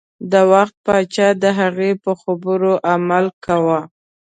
د وخت پاچا د هغې په خبرو عمل کاوه.